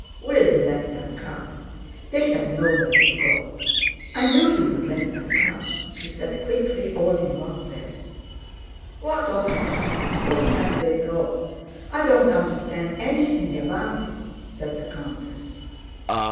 Will you let them come? They have nowhere to go. I knew you'd let them come!" she said quickly all in one breath. "What officers? Whom have they brought? I don't understand anything about it," said the countess.